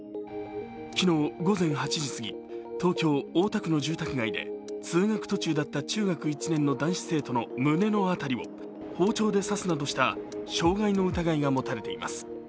昨日午前８時過ぎ東京・大田区の住宅街で通学途中だった中学１年の男子生徒の胸の辺りを包丁で刺すなどした傷害の疑いが持たれています。